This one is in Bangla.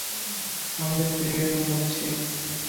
আমাদের প্রিয় গান বাজছে।